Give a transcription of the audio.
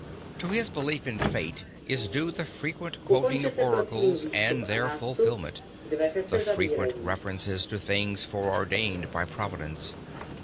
To his belief in Fate is due the frequent quoting of oracles and their fulfilment, the frequent references to things foreordained by Providence.